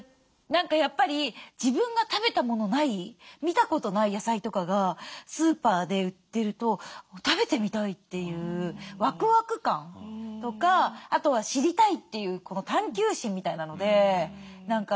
何かやっぱり自分が食べたものない見たことない野菜とかがスーパーで売ってると食べてみたいというワクワク感とかあとは知りたいという探求心みたいなので何かいろいろ買ってみたり食べてみたりしてますね。